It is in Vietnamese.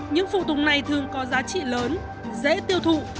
những phụ tùng này thường có giá trị lớn dễ tiêu thụ